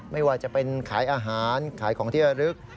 ไม่ว่าจะเป็นขายอาหารขายของที่ระลึก